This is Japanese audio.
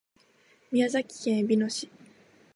宮崎県えびの市